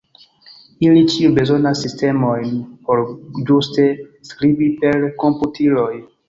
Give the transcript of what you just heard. Ili ĉiuj bezonas sistemojn por ĝuste skribi per komputiloj.